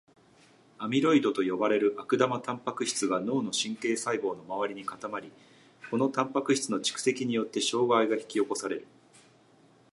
アミロイドと呼ばれる悪玉タンパク質が脳の神経細胞の周りに固まり、このタンパク質の蓄積によって障害が引き起こされる。